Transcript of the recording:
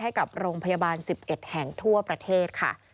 ให้กับโรงพยาบาล๑๑แห่งทั่วประเทศค่ะ